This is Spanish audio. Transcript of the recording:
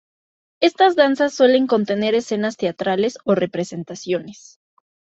Estas danzas suelen contener escenas teatrales o representaciones.